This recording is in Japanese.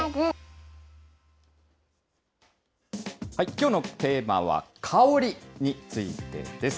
きょうのテーマは、香りについてです。